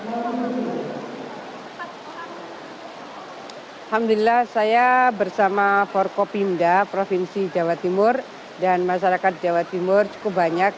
alhamdulillah saya bersama forkopimda provinsi jawa timur dan masyarakat jawa timur cukup banyak